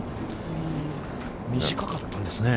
短かったんですね。